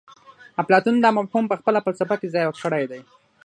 اپلاتون دا مفهوم په خپله فلسفه کې ځای کړی دی